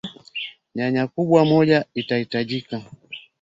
nyanya kubwa moja itahitajika